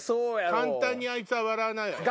簡単にあいつは笑わないわよ。